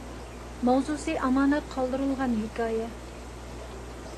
ماۋزۇسى ئامانەت قالدۇرۇلغان ھېكايە